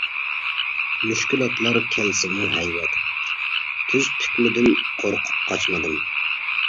مۈشكۈلاتلار كەلسىمۇ ھەيۋەت، تىز پۈكمىدىم، قورقۇپ قاچمىدىم.